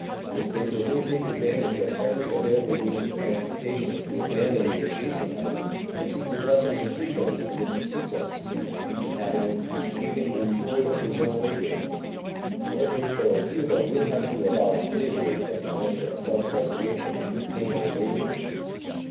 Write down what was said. This labor will take advantage of every available means of transportation to abandon the adjacent islands and seek the blessings of freedom and its sequence each inhabitant receiving the reward of his own labor. Porto Rico and Cuba will have to abolish slavery, as a measure of self preservation, to retain their laborers.